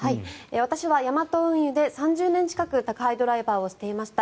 私はヤマト運輸で３０年近く宅配ドライバーをしていました。